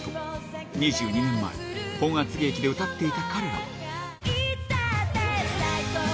２２年前、本厚木駅で歌っていた彼らは。